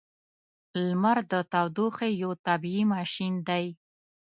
• لمر د تودوخې یو طبیعی ماشین دی.